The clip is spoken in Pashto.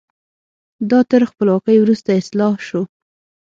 دا تر خپلواکۍ وروسته اصلاح شو.